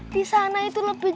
di sana itu lebih